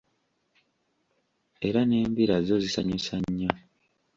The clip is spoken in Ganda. Era n'embira zo zinsanyusa nnyo!